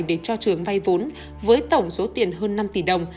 để cho trường vay vốn với tổng số tiền hơn năm tỷ đồng